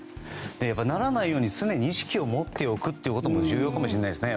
ならないように常に意識を持っておくというのも重要かもしれないですね。